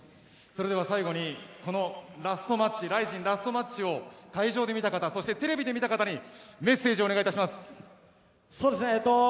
最後に、このＲＩＺＩＮラストマッチを会場で見た方、テレビで見た方にメッセージをお願いします。